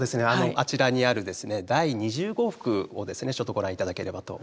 あちらにある第２０号幅をちょっとご覧頂ければと思います。